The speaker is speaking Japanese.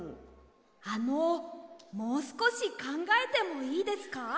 あのもうすこしかんがえてもいいですか？